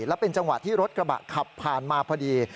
และเป็นจังหวะที่รถกระบะขับผ่านมาพอดี